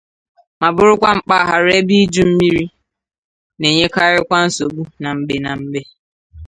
ma bụrụkwa mpaghara ebe iju mmiri na-enyekarịkwa nsògbu na mgbè na mgbè